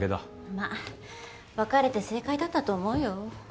まあ別れて正解だったと思うよ。